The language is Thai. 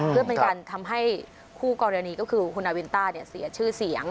เพื่อเป็นการทำให้คู่กรณีก็คือคุณนาวินต้าเสียชื่อเสียง